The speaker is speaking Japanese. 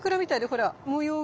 ほら模様が。